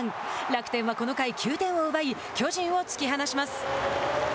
楽天は、この回９点を奪い巨人を突き放します。